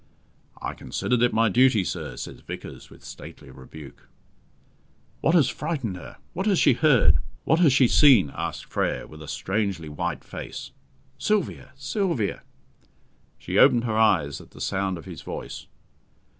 "I considered it my duty, sir," says Vickers, with stately rebuke. "What has frightened her? What has she heard? What has she seen?" asked Frere, with a strangely white face. "Sylvia, Sylvia!" She opened her eyes at the sound of his voice.